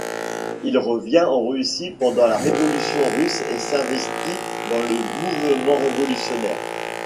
Il revient en Russie pendant la révolution russe et s'investit dans le mouvement révolutionnaire.